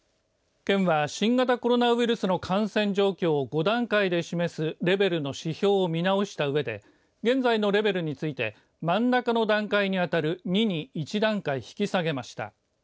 県は新型コロナウイルスの感染状況を５段階で示すレベルの指標を見直したうえで現在のレベルについて真ん中の段階にあたる２に１段階引き下げました。